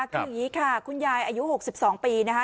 คืออย่างงี้ค่ะคุณยายอายุหกสิบสองปีนะคะ